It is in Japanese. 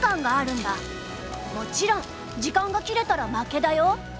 もちろん時間が切れたら負けだよ。